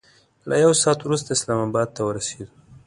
له یو ساعت وروسته اسلام اباد ته ورسېدو.